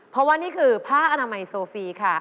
เพราะว่านี่คือผ้าอนามัยโซฟีค่ะ